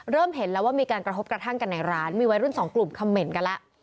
เห็นแล้วว่ามีการกระทบกระทั่งกันในร้านมีวัยรุ่นสองกลุ่มคำเหม็นกันแล้ว